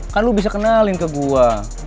kan lo bisa kenalin ke gua